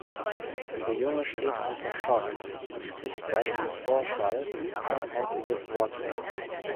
Der Junge steht unter Schock und spricht seit dem Vorfall kein einziges Wort mehr.